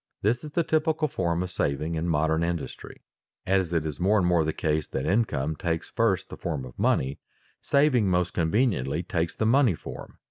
_ This is the typical form of saving in modern industry. As it is more and more the case that income takes first the form of money, saving most conveniently takes the money form.